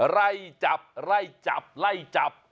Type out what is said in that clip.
ไล่จับไล่จับไล่จับ